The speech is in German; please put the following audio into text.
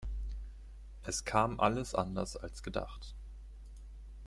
Es kam alles anders als gedacht.